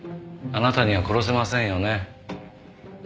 あなたには殺せませんよね。